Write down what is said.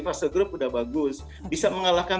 fase grup udah bagus bisa mengalahkan